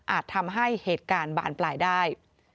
ทำให้เหตุการณ์บานปลายได้